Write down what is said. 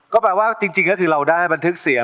ก็แปลว่าจริงก็คือเราได้บันทึกเสียง